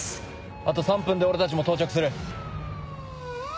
あと３分で俺たちも到着する。